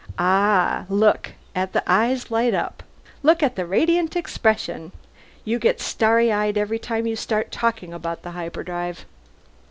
Ah! Look at the eyes light up! Look at the radiant expression! You get starry eyed every time you start talking about the hyperdrive!"